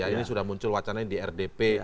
ini sudah muncul wacana di rdp